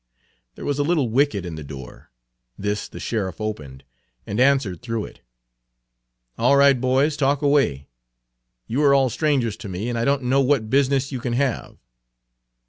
There was a little wicket in the door; this the sheriff opened, and answered through it. "All right, boys, talk away. You are all strangers to me, and I don't know what business you can have."